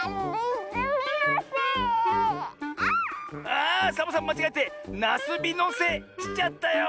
あサボさんまちがえて「なすびのせ」しちゃったよ！